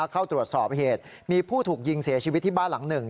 เข้าตรวจสอบเหตุมีผู้ถูกยิงเสียชีวิตที่บ้านหลังหนึ่ง